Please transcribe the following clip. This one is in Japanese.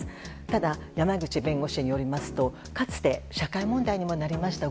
ただ山口弁護士によりますとかつて社会問題にもなりました